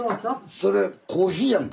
それコーヒーやんか。